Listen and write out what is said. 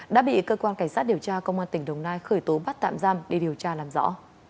đã bị cơ quan cảnh sát điều tra công an tỉnh đồng nai khởi tố bắt tạm giam để điều tra làm rõ